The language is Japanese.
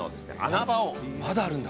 まだあるんだ？